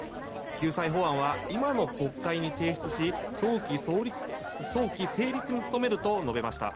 救済法案は今の国会に提出し早期成立に努めると述べました。